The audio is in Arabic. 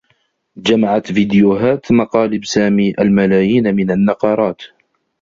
جمعت فيديوهات مقالب سامي الملايين من النّقرات.